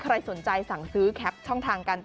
ใครสนใจสั่งซื้อแคปช่องทางกัน